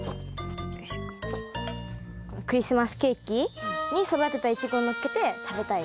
クリスマスケーキに育てたイチゴをのっけて食べたい。